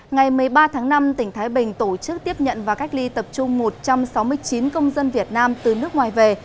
ngày một mươi ba tháng năm tỉnh thái bình tổ chức tiếp nhận và cách ly tập trung một trăm sáu mươi chín công dân việt nam từ nước ngoài về